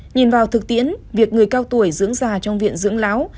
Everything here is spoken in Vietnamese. nhìn vào thực tiễn việc người cao tuổi dưỡng già trong viện dưỡng lão